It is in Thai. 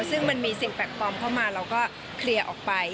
ซึ่งมันมีสิ่งแปลกปลอมเข้ามาเราก็เคลียร์ออกไป